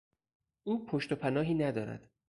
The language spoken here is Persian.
او پشت و پناهی ندارد.